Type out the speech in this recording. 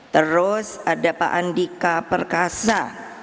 terus ada pak andika perkasa